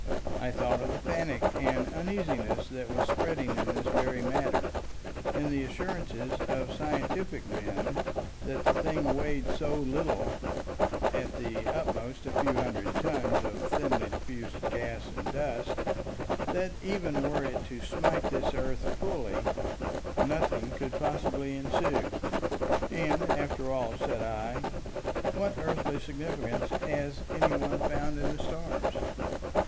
I thought of the panic and uneasiness that was spreading in this very matter, and the assurances of scientific men that the thing weighed so little—at the utmost a few hundred tons of thinly diffused gas and dust—that even were it to smite this earth fully, nothing could possibly ensue. And, after all, said I, what earthly significance has any one found in the stars?